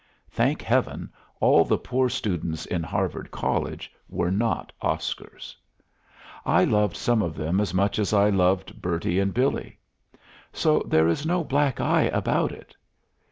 Thank heaven, all the poor students in Harvard College were not Oscars! I loved some of them as much as I loved Bertie and Billy. So there is no black eye about it.